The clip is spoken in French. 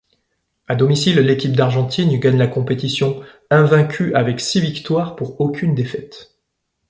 À domicile, l'équipe d'Argentine gagne la compétition, invaincue avec six victoires pour aucune défaite.